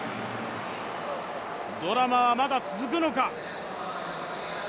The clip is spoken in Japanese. ドラマはまだ続くのか。